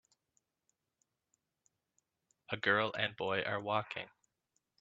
a girl and boy are walking.